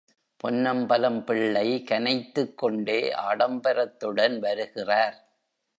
பொன்னம்பலம் பிள்ளை கனைத்துக்கொண்டே ஆடம்பரத்துடன் வருகிறார்.